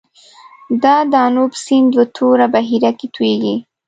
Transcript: د دانوب سیند په توره بحیره کې تویږي.